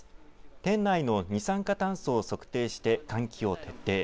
店内の二酸化炭素を測定して換気を徹底。